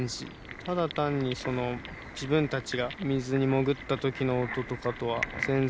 ただ単に自分たちが水に潜った時の音とかとは全然違くて。